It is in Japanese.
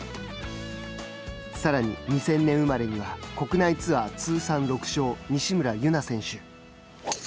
さらに２０００年生まれには国内ツアー通算６勝西村優菜選手。